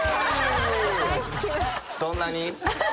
そんなに？